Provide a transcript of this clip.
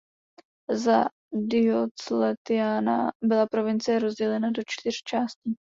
Za Diocletiana byla provincie rozdělena do čtyř částí.